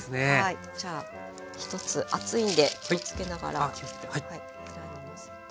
じゃあ１つ熱いんで気をつけながらのせて。